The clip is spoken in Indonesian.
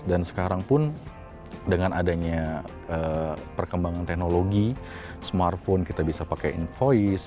dan sekarang pun dengan perkembangan teknologi smartphone kita bisa pakai invoice